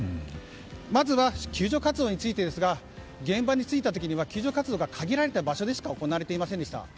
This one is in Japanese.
まずは救助活動についてですが現場に着いた時には救助活動が限られた場所でしか行われていませんでした。